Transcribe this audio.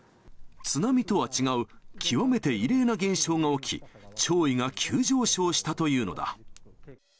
津波とは違う極めて異例な現象が起き、潮位が急上昇したというのだ。